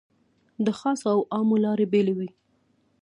د خاصو او عامو لارې بېلې وې.